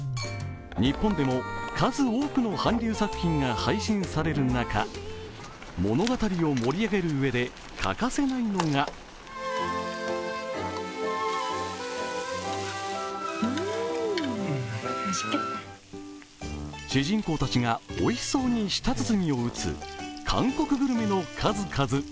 日本でも数多くの韓流作品が配信される中物語を盛り上げるうえで欠かせないのが主人公たちがおいしそうに舌鼓を打つ韓国グルメの数々。